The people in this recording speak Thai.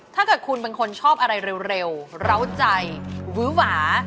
ถ้าเกิดคุณเป็นคนชอบอะไรเร็วเหล้าใจวื้อหวา